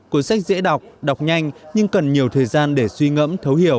cuốn sách dễ đọc đọc nhanh nhưng cần nhiều thời gian để suy ngẫm